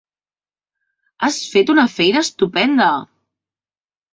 Has fet una feina estupenda!